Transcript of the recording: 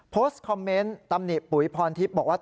โพสต์คอมเมนต์ตำหนิปุ๋ยพรทิพย์บอกว่า